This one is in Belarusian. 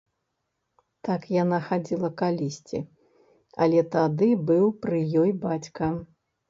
Так яна хадзіла калісьці, але тады быў пры ёй бацька.